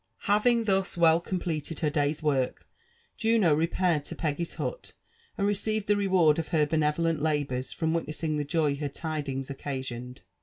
Haying thus wdl completed her day's work, Juno repair^ Id Peggy's hut, and received the reward of her benevolent labours from witnessing the joy her tidings occasioned.